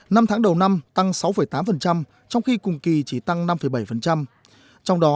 năm tháng đầu năm tăng sáu tám trong khi cùng kỳ chỉ tăng năm bảy